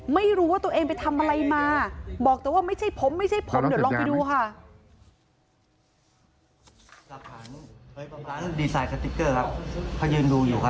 ไม่รู้ว่าตัวเองไปทำอะไรมาบอกแต่ว่าไม่ใช่ผมไม่ใช่ผมเดี๋ยวลองไปดูค่ะ